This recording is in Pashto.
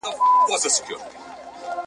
چي تر خوله یې د تلک خوږې دانې سوې `